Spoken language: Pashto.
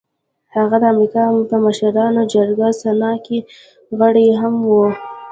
هغه د امريکا په مشرانو جرګه سنا کې غړی هم و.